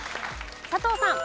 佐藤さん。